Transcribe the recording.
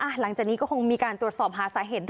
หลังจากนี้ก็คงมีการตรวจสอบหาสาเหตุด้วย